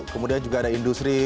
kemudian juga ada industri